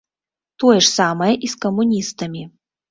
Тое ж самае і з камуністамі.